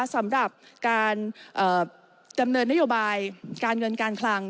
สำหรับการดำเนินนโยบายการเงินการคลัง